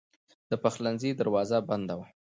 د پخلنځي دروازه بنده وه.